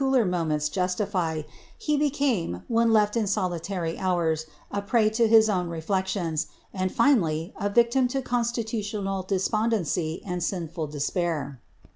333 ler moments justify, he became, when le(\ in solitary hours, a prey ifl own reflections — and finally a victim to constitutional despondency sinful despair.